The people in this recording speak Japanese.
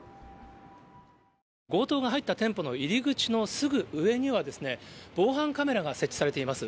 強盗が入った店舗の入り口のすぐ上には、防犯カメラが設置されています。